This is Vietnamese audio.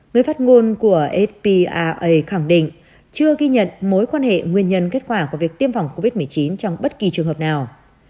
người phát ngôn của spaa khẳng định chưa ghi nhận mối quan hệ nguyên nhân kết quả của việc tiêm phòng covid một mươi chín trong bất kỳ trường hợp nào